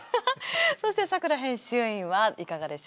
そして咲楽編集員はいかがでしょうか？